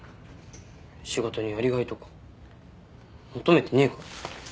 仕事にやりがいとか求めてねえから。